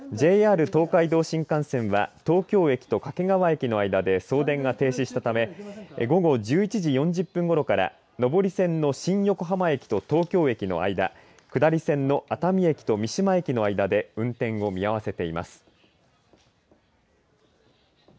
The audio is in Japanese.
ＪＲ東海道新幹線は東京駅と掛川駅の間で送電が停止したため午後１１時４０分ごろから上り線の新横浜駅と東京駅の間下り線の熱海駅と三島駅の間で運転を見合わせています。